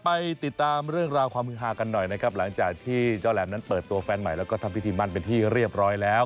ไปติดตามเรื่องราวความฮือฮากันหน่อยนะครับหลังจากที่เจ้าแหลมนั้นเปิดตัวแฟนใหม่แล้วก็ทำพิธีมั่นเป็นที่เรียบร้อยแล้ว